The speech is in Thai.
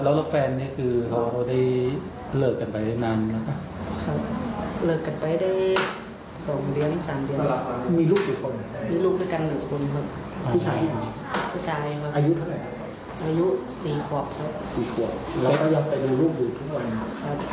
บอกทั้งน้ำตาบอกว่าที่ผ่านมาลูกเขยเนี่ย